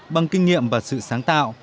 bằng kinh nghiệm và sự sáng tạo